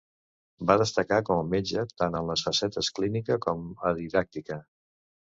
Va destacar com a metge tant en les facetes clínica com a didàctica.